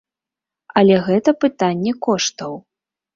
Але гэта пытанне коштаў.